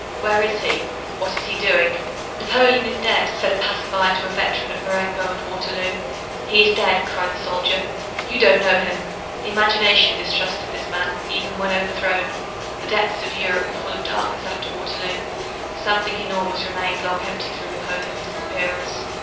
Where is he? What is he doing? "Napoleon is dead," said a passer by to a veteran of Marengo and Waterloo. "He dead!" cried the soldier; "you don't know him." Imagination distrusted this man, even when overthrown. The depths of Europe were full of darkness after Waterloo. Something enormous remained long empty through Napoleon's disappearance.